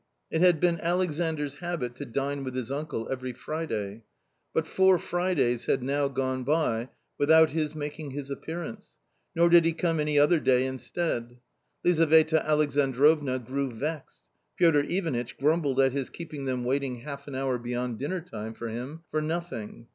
It had been AlexanoVs habit to dine with his uncle every Friday. But four Fridays had now gone by without his making his appearance, nor did he come any other day instead. Lizaveta Alexandrovna grew vexed ; Piotr Ivanitch grumbled at his keeping them waiting half an hour beyond dinner time for him for nothing.